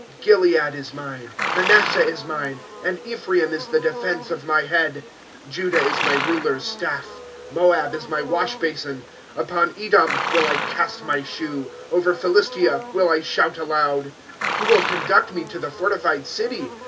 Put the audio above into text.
^ Gilead is mine, Manassch is mine. And Ephraim is the defense of my head ; Judah is my ruler's staff. ' Moab is ray waeh basin ; Upon Edom will I east my shoe ; Over Philistia will I shout aloud. '" Who will conduct me to the fortified city!